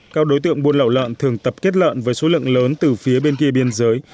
các đối tượng buôn lậu lợn thường tập kết lợn với số lượng lớn từ phía bên kia biên giới